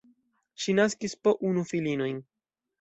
Ŝi naskis po unu filinojn.